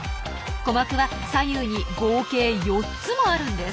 鼓膜は左右に合計４つもあるんです。